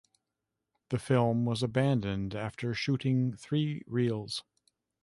The film was abandoned after shooting three reels.